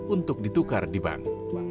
untuk ditukar di bank